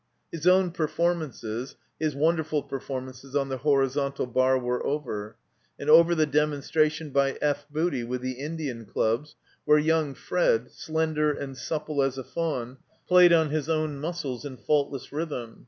His own performances — ^his wond^ul performances on the horizontal bar — ^were over; and over the demonstration by F. Booty with the Indian dubs, where young Fred, slender and supple as a fatm, played on his own muscles in faultless rhythm.